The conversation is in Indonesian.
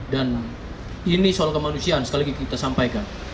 dan ini soal kemanusiaan sekali lagi kita sampaikan